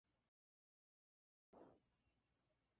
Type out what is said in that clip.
Entonces fue renombrado "Viktoria Luise" y convertido en crucero.